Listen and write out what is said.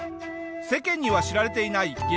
世間には知られていない激